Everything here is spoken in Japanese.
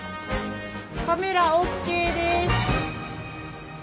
カメラＯＫです。